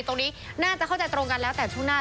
ตรงนี้น่าจะเข้าใจตรงกันแล้วแต่ช่วงหน้า